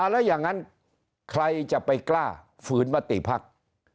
แล้วอย่างนั้นใครจะไปกล้าฝืนมติภักดิ์